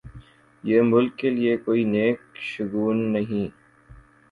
یہ ملک کے لئے کوئی نیک شگون نہیں۔